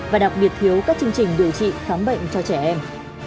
và đặc biệt thiếu các chương trình điều trị khám bệnh cho trẻ em